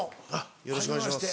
よろしくお願いします。